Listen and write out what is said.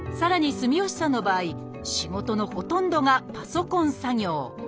住吉さんの場合仕事のほとんどがパソコン作業。